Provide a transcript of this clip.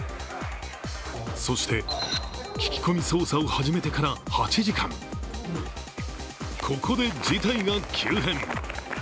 そして、聞き込み捜査を始めてから８時間、ここで事態が急変。